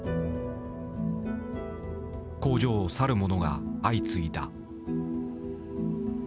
工場を去る者が相次いだ。